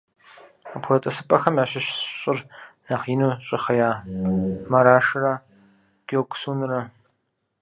Апхуэдэ тӀысыпӀэхэм ящыщщ щӀыр нэхъ ину щыхъея Марашрэ Гёксунрэ.